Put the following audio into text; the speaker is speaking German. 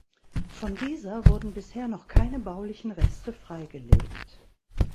Von dieser wurden bisher noch keine baulichen Reste freigelegt.